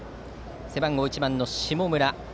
背番号１番の下村。